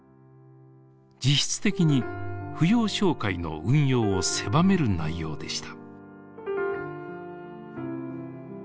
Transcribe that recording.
実質的に扶養照会の運用を狭める内容でした。